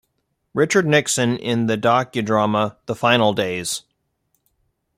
Richard Nixon in the docudrama "The Final Days".